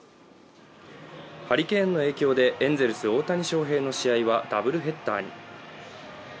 ハリケーンの影響でエンゼルス・大谷翔平の試合はダブルヘッダーに。